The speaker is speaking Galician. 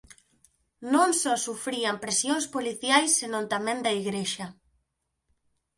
Non só sufrían presións policiais senón tamén da Igrexa.